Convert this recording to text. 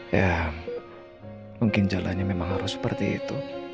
ya mungkin jalannya memang harus seperti itu